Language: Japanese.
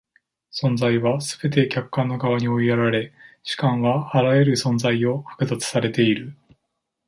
存在はすべて客観の側に追いやられ、主観はあらゆる存在を剥奪されている。